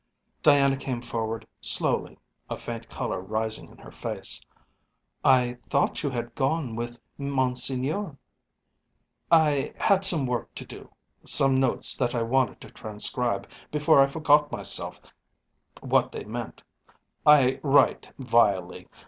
Diana came forward slowly, a faint colour rising in her face. "I thought you had gone with Monseigneur." "I had some work to do some notes that I wanted to transcribe before I forgot myself what they meant; I write vilely.